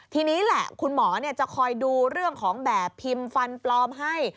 ทีนี้แหละคุณหมอจะคอยดูเรื่องของแบบพิมพ์ฟันปลอมให้